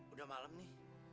udah malam nih